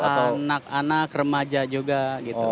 anak anak remaja juga gitu